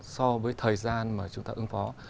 so với thời gian mà chúng ta ứng phó